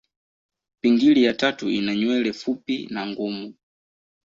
Pingili ya tatu ina nywele fupi na ngumu.